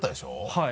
はい。